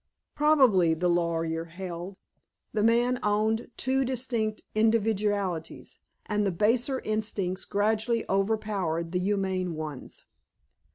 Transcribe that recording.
Probably, the lawyer held, the man owned two distinct individualities, and the baser instincts gradually overpowered the humane ones.